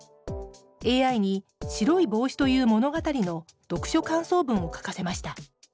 ＡＩに「白いぼうし」という物語の読書感想文を書かせました。